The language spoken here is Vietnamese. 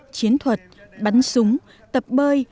chiến thuật bắn súng tập bơi